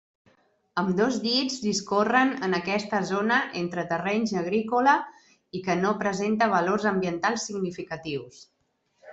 Ambdós llits discorren en aquesta zona entre terrenys agrícola i que no presenta valors ambientals significatius.